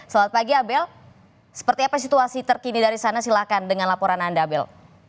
selamat pagi abel seperti apa situasi terkini dari sana silahkan dengan laporan anda abel